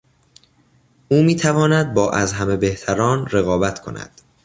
او میتواند با از همه بهتران رقابت کند.